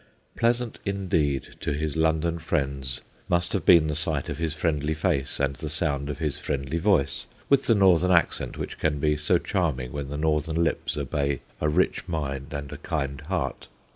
Pleasant indeed to his London friends must have been the sight of his friendly face and the sound of his friendly voice, with the northern accent which can be so charming when the northern lips obey a rich mind and a kind heart.